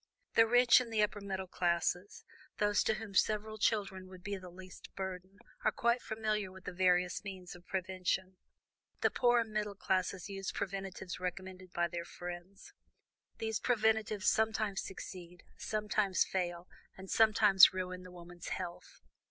"The rich and the upper middle classes, those to whom several children would be the least burden, are quite familiar with the various means of prevention. The poorer middle classes use preventives recommended by their friends; these preventives sometimes succeed, sometimes fail, and sometimes ruin the woman's health.